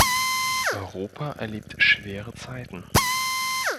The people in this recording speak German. Europa erlebt schwere Zeiten.